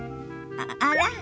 あら？